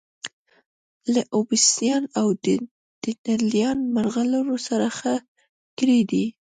له اوبسیدیان او ډینټالیم مرغلرو سره ښخ کړي دي